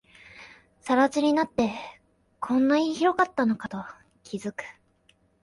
更地になって、こんなに広かったのかと気づく